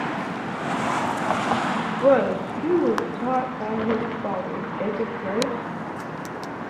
Gross, who was taught by his father, Jacob Gross.